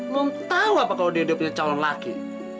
lo tau apa kalo dia udah punya calon laki